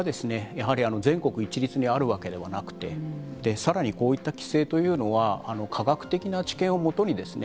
やはり全国一律にあるわけではなくて更にこういった規制というのは科学的な知見をもとにですね